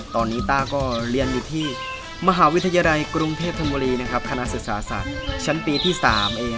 ตอนนี้ต้าก็เรียนอยู่ที่มหาวิทยาลัยกรุงเทพธนบุรีนะครับคณะศึกษาศาสตร์ชั้นปีที่๓เอง